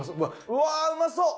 うわうまそう。